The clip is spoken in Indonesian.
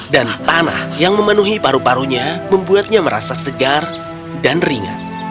dan tanah yang memenuhi paru parunya membuatnya merasa segar dan ringan